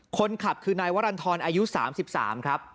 คนขับคือนายวรรณฑรอายุ๓๓ครับ